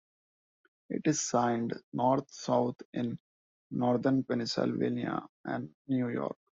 It is signed north-south in northern Pennsylvania and New York.